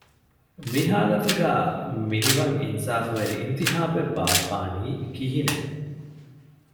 މި ހާލަތުގައި މިނިވަން އިންސާފުވެރި އިންތިހާބެއް ބާއްވާނީ ކިހިނެއް؟